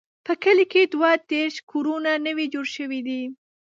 په کلي کې دوه دیرش کورونه نوي جوړ شوي دي.